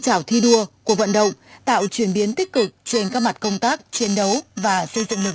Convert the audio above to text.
trào thi đua cuộc vận động tạo chuyển biến tích cực trên các mặt công tác chiến đấu và xây dựng lực